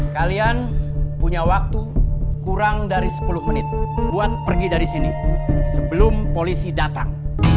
kalian punya waktu kurang dari sepuluh menit buat pergi dari sini sebelum polisi datang